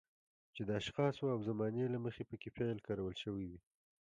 چې د اشخاصو او زمانې له مخې پکې فعل کارول شوی وي.